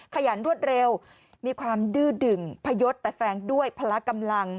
ขยันรวดเร็วมีความดื้อดึงพยศแต่แฟงด้วยพละกำลัง